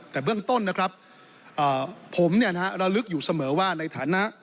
แต่เบื้องต้นนะครับอ่าผมเนี่ยนะฮะระลึกอยู่เสมอว่าในฐานะ